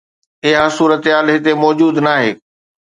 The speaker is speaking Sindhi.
اها صورتحال هتي موجود ناهي.